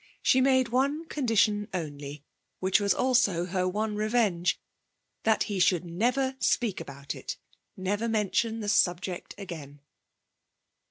She made one condition only (which was also her one revenge), that he should never speak about it, never mention the subject again.